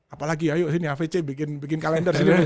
apalagi ya yuk sini avc bikin kalender